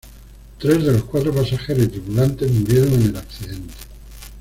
Tres de los cuatro pasajeros y tripulante murieron en el accidente.